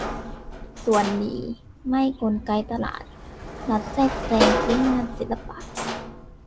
ส่วนนี่ไม่กลไกตลาด รัฐแทรกแซง ซื้องานศิลปะ